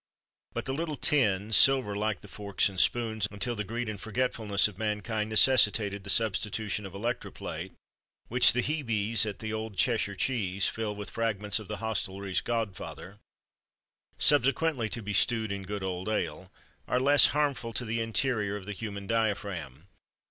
But the little tins (silver, like the forks and spoons, until the greed and forgetfulness of mankind necessitated the substitution of electro plate) which the Hebes at the "Old Cheshire Cheese" fill with fragments of the hostelry's godfather subsequently to be stewed in good old ale are less harmful to the interior of the human diaphragm.